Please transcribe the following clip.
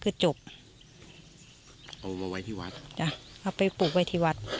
เอาไปปลูกไว้ที่วัด